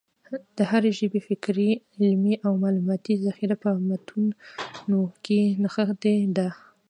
د هري ژبي فکري، علمي او معلوماتي ذخیره په متونو کښي نغښتې ده.